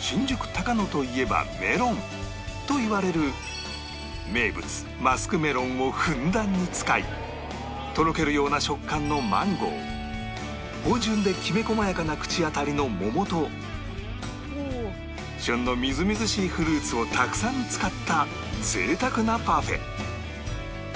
新宿高野といえばメロン！といわれる名物マスクメロンをふんだんに使いとろけるような食感のマンゴー芳醇でキメ細やかな口当たりの桃と旬のみずみずしいフルーツをたくさん使った贅沢なパフェ